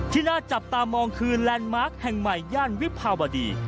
น่าจับตามองคือแลนด์มาร์คแห่งใหม่ย่านวิภาวดี